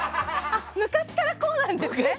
昔からこうなんですね。